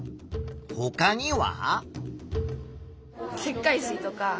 ほかには？